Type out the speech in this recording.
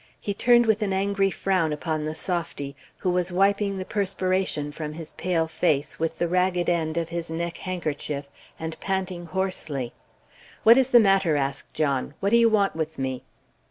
He turned with an angry frown upon the softy, who was wiping the perspiration from his pale face with the ragged end of his neck handkerchief, and panting hoarsely. "What is the matter?" asked John. "What do you want with me?"